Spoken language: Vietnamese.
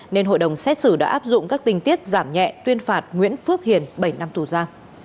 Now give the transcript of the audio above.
nên hội đồng xét xử đã áp dụng các tình tiết giảm nhẹ tuyên phạt nguyễn phước hiền bảy năm tù ra